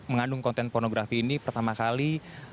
mengandung konten pornografi ini pertama kali